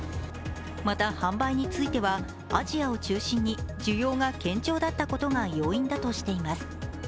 また販売については、アジアを中心に需要が堅調だったことが要因だとしています。